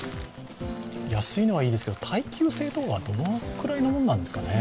安いのはいいですけど耐久性とかはどのくらいのものなんですかね。